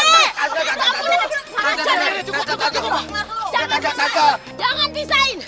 lu tuh cok apa bagaimana